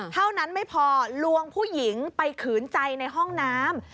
เท่านั้นไม่พอลวงผู้หญิงไปขืนใจในห้องน้ำ